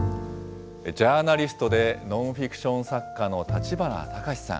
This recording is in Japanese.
ジャーナリストでノンフィクション作家の立花隆さん。